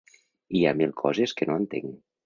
Hi ha mil coses que no entenc.